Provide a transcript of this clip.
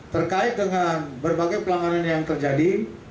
terkait dengan berbagai pelanggaran yang terjadi